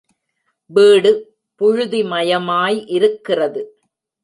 வீடு புழுதிமயமாய் இருக்கிறது.